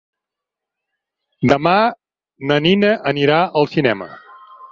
Demà na Nina anirà al cinema.